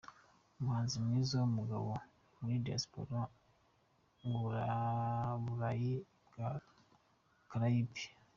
Umuhanzi mwiza w’umugabo muri Diaspora y’Uburayi bwa Caraïbes.